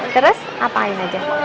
terus apa aja